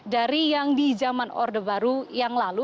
dari yang di zaman orde baru yang lalu